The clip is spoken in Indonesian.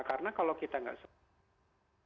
karena kalau kita nggak serius